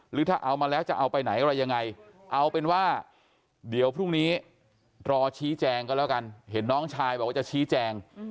หรือถ้าเอามาแล้วจะเอาไปไหนอะไรยังไงเอาเป็นว่าเดี๋ยวพรุ่งนี้รอชี้แจงก็แล้วกันเห็นน้องชายบอกว่าจะชี้แจง